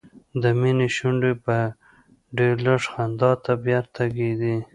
د مينې شونډې به ډېر لږ خندا ته بیرته کېدې